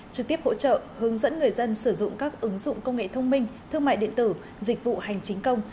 trực tiếp hỗ trợ hướng dẫn người dân sử dụng các ứng dụng công nghệ thông minh thương mại điện tử dịch vụ hành chính công